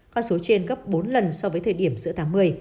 con số trên gấp bốn lần so với thời điểm giữa tám mươi